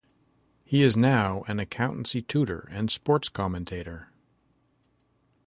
He is now an accountancy tutor and sports commentator.